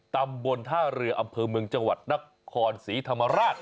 ตำบลท่าเรืออำเภอเมืองจังหวัดนครศรีธรรมราช